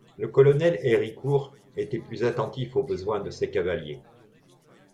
Le colonel Héricourt était plus attentif aux besoins de ses cavaliers.